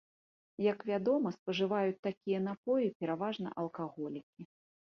Як вядома, спажываюць такія напоі пераважна алкаголікі.